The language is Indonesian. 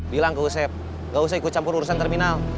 bilang ke usep nggak usah ikut campur urusan terminal